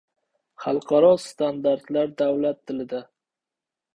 Xalqaro standartlar davlat tilida